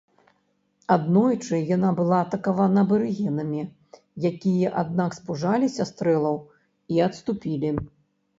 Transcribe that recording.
Аднойчы яна была атакавана абарыгенамі, якія, аднак, спужаліся стрэлаў і адступілі.